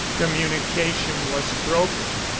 Communication was broken.